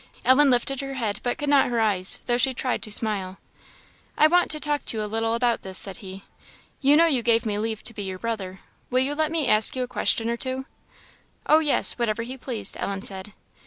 Ellen lifted her head but could not her eyes, though she tried to smile. "I want to talk to you a little about this," said he. "You know you gave me leave to be your brother will you let me ask you a question or two?" "Oh, yes whatever he pleased," Ellen said.